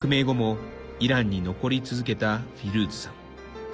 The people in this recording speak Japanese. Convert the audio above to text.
革命後も、イランに残り続けたフィルーズさん。